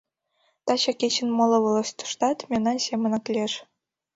— Таче кечын моло волостьыштат мемнан семынак лиеш...